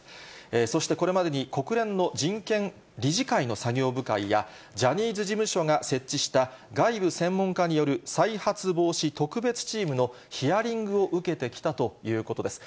そして、これまでに国連の人権理事会の作業部会やジャニーズ事務所が設置した外部専門家による再発防止特別チームのヒアリングを受けてきたということです。